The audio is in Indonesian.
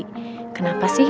siapa tau rara bisa ngelit dewi